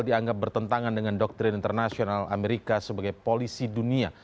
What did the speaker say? dianggap bertentangan dengan doktrin internasional amerika sebagai polisi dunia